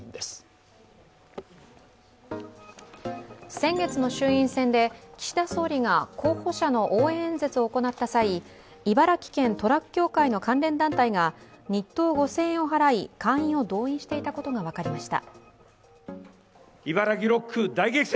先月の衆院選で岸田総理が候補者の応援演説を行った際、茨城県トラック協会の関連団体が日当５０００円を払い会員を動員していたことが分かりました。